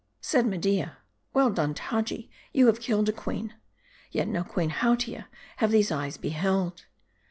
Said Media, " Well done, Taji. you have killed a queen/' " Yet no Queen Hautia have these eyes beheld."